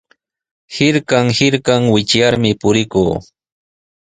Hirkan hirkan wichyarmi purikuu.